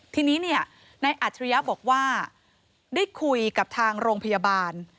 ทีนี้เนี่ยนายอัจฉริยะบอกว่าได้คุยกับทางโรงพยาบาล